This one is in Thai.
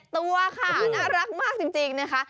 ตัวค่ะน่ารักมากจริงนะคะ